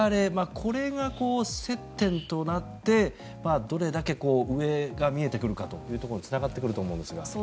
これが接点となって、どれだけ上が見えてくるかというところにつながってくると思うんですが。